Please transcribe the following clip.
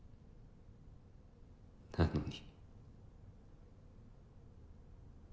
なのに。